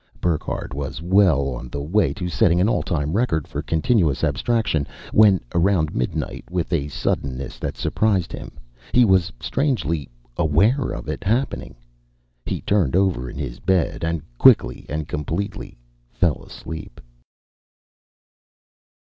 Burckhardt was well on the way to setting an all time record for continuous abstraction when, around midnight, with a suddenness that surprised him he was strangely aware of it happening he turned over in his bed and, quickly and completely, fell asleep.